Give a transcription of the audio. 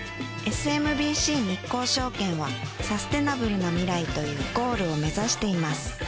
ＳＭＢＣ日興証券はサステナブルな未来というゴールを目指しています